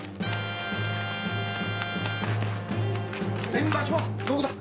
面番所はどこだ